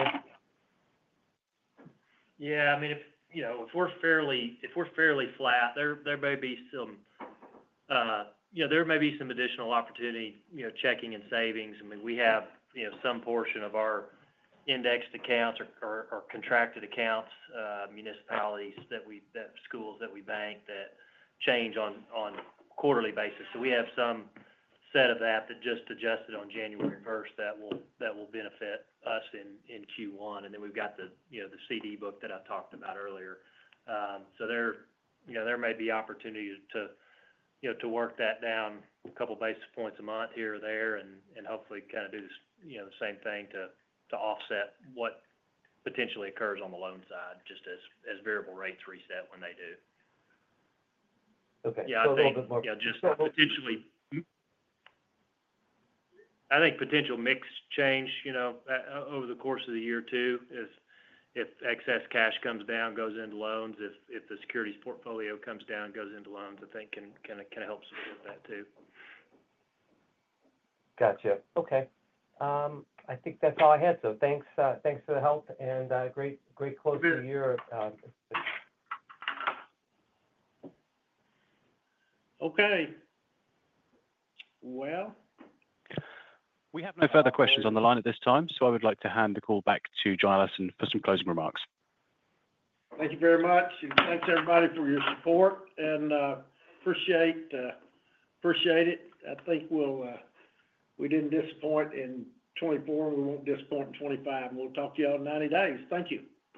Yeah. I mean, if we're fairly flat, there may be some additional opportunity checking and savings. I mean, we have some portion of our indexed accounts or contracted accounts, municipalities, schools that we bank that change on quarterly basis. So we have some set of that that just adjusted on January 1st that will benefit us in Q1. And then we've got the CD book that I talked about earlier. So there may be opportunity to work that down a couple of basis points a month here or there and hopefully kind of do the same thing to offset what potentially occurs on the loan side, just as variable rates reset when they do. Okay, so a little bit more. Yeah. I think potentially. I think potential mixed change over the course of the year too, if excess cash comes down, goes into loans. If the securities portfolio comes down, goes into loans, I think can help support that too. Gotcha. Okay. I think that's all I had. So thanks for the help and a great close to the year. Okay. Well. We have no further questions on the line at this time. So I would like to hand the call back to John Allison for some closing remarks. Thank you very much. And thanks, everybody, for your support. And appreciate it. I think we didn't disappoint in 2024, and we won't disappoint in 2025. And we'll talk to you all in 90 days. Thank you.